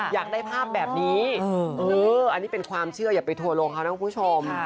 อยากได้ภาพแบบนี้อันนี้เป็นความเชื่ออย่าไปทัวร์ลงเขานะคุณผู้ชม